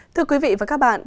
thưa quý vị và các bạn